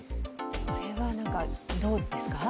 これはどうですか？